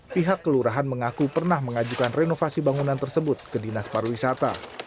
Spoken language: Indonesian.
pihak kelurahan mengaku pernah mengajukan renovasi bangunan tersebut ke dinas pariwisata